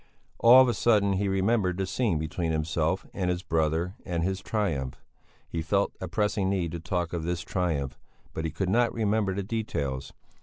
All of a sudden he remembered the scene between himself and his brother, and his triumph. He felt a pressing need to talk of this triumph, but he could not remember the details.